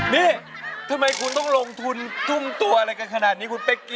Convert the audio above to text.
นี่ทำไมคุณต้องลงทุนทุ่มตัวอะไรกันขนาดนี้คุณเป๊กกี